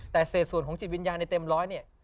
แต่เศษส่วนของจิตวิญญาณในเต็มร้อยเนี่ย